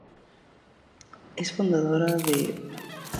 Es fundadora de poemashumanos.com, edición bilingüe de poesía.